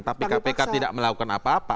tapi kpk tidak melakukan apa apa